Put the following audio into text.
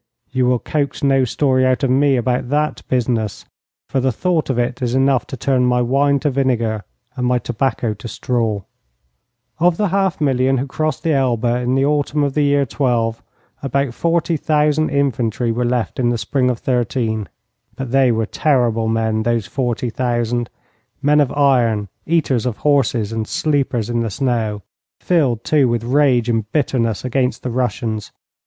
You will coax no story out of me about that business, for the thought of it is enough to turn my wine to vinegar and my tobacco to straw. Of the half million who crossed the Elbe in the autumn of the year '12 about forty thousand infantry were left in the spring of '13. But they were terrible men, these forty thousand: men of iron, eaters of horses, and sleepers in the snow; filled, too, with rage and bitterness against the Russians.